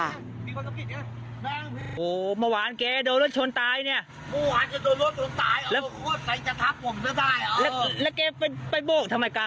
แม่งพี่ผมโบกรถเสร็จตลาดผมไอ้ชนผมก็เต้นแล้ว